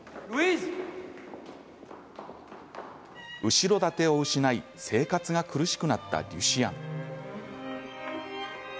後ろ盾を失い生活が苦しくなったリュシアン。